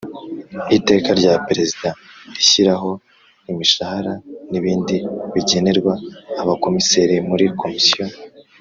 Iteka rya perezida rishyiraho imishahara n ibindi bigenerwa Abakomiseri muri Komisiyo